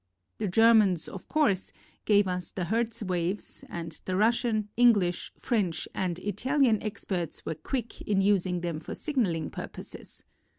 The Germans, of course, gave us the Hertz waves and the Russian, English, French and Italian experts were quick in using them for signaling purposes.